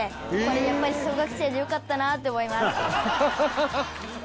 「やっぱり小学生でよかったなって思います」